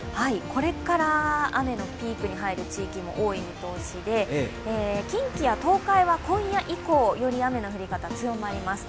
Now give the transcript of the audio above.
これから雨のピークに入る地域も多い見通しで、近畿や東海は今夜以降、より雨の降り方が強まります。